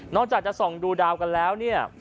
นอกจากจะส่องดูดาวกันแล้ว